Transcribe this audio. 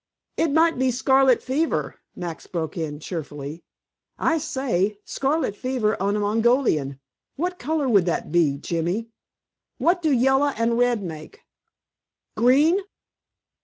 "It might be scarlet fever," Max broke in cheerfully. "I say, scarlet fever on a Mongolian what color would he be, Jimmy? What do yellow and red make? Green?"